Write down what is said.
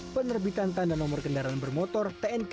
penerbitan tanda nomor kendaraan bermotor tnk